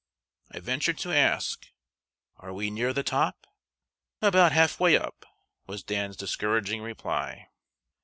I ventured to ask: "Are we near the top?" "About half way up," was Dan's discouraging reply.